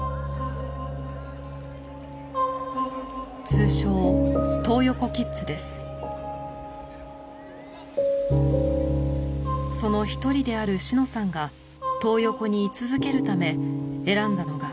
通称その一人であるシノさんがトー横に居続けるため選んだのが。